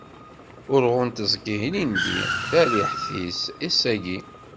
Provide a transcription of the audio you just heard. Urɣu n teẓgi ilindi, tariḥt-is, ass-agi.